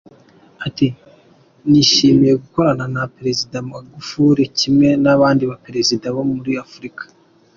Ati “Nishimiye gukorana na Perezida Magufuli kimwe n’abandi ba perezida bo muri Afurika.